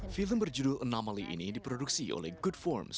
film berjudul anomaly ini diproduksi oleh goodforms